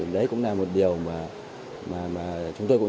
đấy cũng là một điều mà chúng tôi cũng